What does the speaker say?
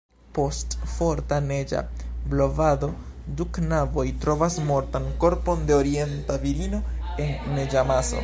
Post forta neĝa blovado, du knaboj trovas mortan korpon de orienta virino en neĝamaso.